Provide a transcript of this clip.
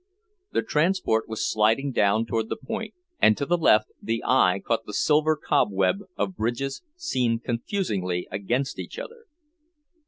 The transport was sliding down toward the point, and to the left the eye caught the silver cobweb of bridges, seen confusingly against each other.